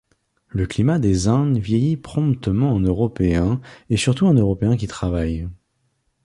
Le climat des Indes vieillit promptement un Européen, et surtout un Européen qui travaille.